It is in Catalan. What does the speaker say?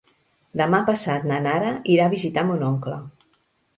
Demà passat na Nara irà a visitar mon oncle.